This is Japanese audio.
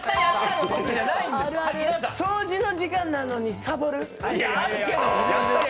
掃除の時間なのにさぼる？